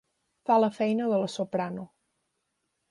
Fa la feina de la soprano.